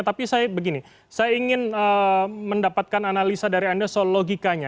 tapi saya begini saya ingin mendapatkan analisa dari anda soal logikanya